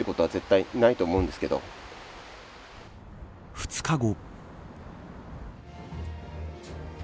２日後。